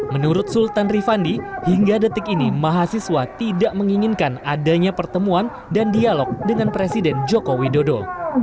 menurut sultan rifandi hingga detik ini mahasiswa tidak menginginkan adanya pertemuan dan dialog dengan presiden joko widodo